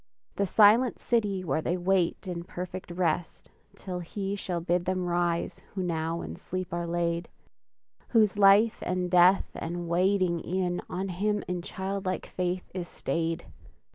The silent city where they wait In perfect rest till He shall bid Them rise who now in sleep are laid; Whose life, and death, and waiting e'en, On Him in childlike faith is stayed!